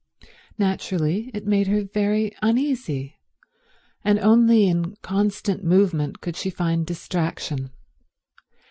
Naturally it made her very uneasy, and only in constant movement could she find distraction.